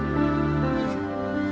saya akan mencari kepuasan